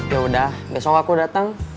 ya udah besok aku datang